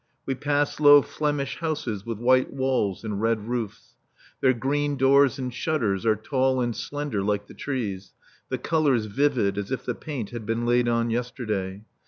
We pass low Flemish houses with white walls and red roofs. Their green doors and shutters are tall and slender like the trees, the colours vivid as if the paint had been laid on yesterday.